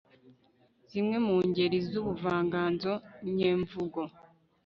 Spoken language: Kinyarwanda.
zimwe mu ngeri z'ubuvanganzo nyemvugo